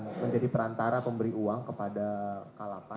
dan menjadi perantara pemberi uang kepada kapk